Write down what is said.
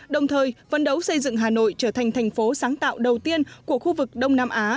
đồng thời phấn đấu xây dựng hà nội trở thành thành phố sáng tạo đầu tiên của khu vực đông nam á